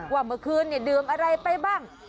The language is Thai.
ว่าเมื่อคืนดื่มอะไรไปบ้าง